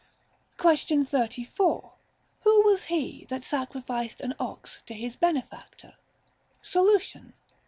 Question 3L Who was he that sacrificed an ox to his benefactor I Solution.